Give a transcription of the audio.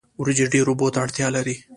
وریجې ډیرو اوبو ته اړتیا لري